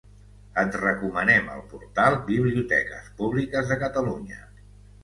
Et recomanem el portal Biblioteques Públiques de Catalunya.